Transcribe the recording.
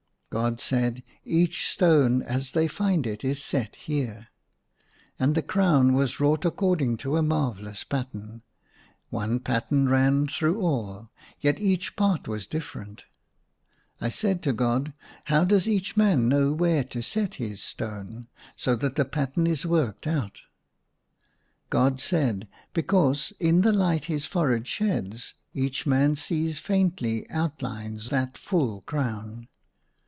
God said, " Each stone as they find it is set here." And the crown was wrought according to a marvellous pattern ; one pattern ran through all, yet each part was different. I said to God, " How does each man know where to set his stone, so that the pattern is worked out ?" God said, " Because in the light his forehead sheds each man sees faintly outlined that full crown."